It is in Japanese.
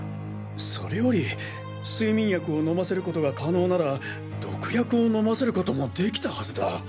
それより睡眠薬を飲ませることが可能なら毒薬を飲ませることも出来たはずだ。